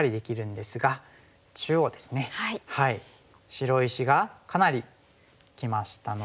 白石がかなりきましたので。